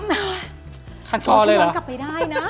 คัดคอเลยเหรอถูกหยอนกลับไปได้นะ